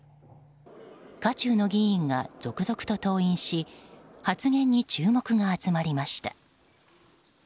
渦中の議員が続々と登院し発言に注目が集まりました。